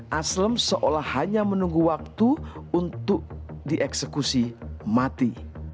hai aslim seolah hanya menunggu waktu untuk dieksekusi mati